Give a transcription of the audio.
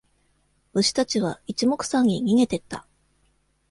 虫たちは一目散に逃げてった。